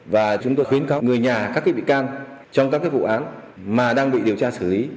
và chúng tôi khuyến co người nhà các bị can trong các vụ án mà đang bị điều tra xử lý